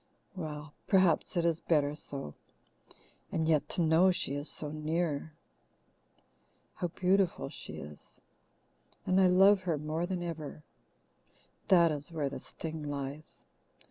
Well, perhaps it is better so. And yet to know she is so near! How beautiful she is! And I love her more than ever. That is where the sting lies.